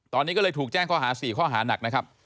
ตอนนี้ก็เลยถูกแจ้งข้อหา๔ข้อหานักนะครับ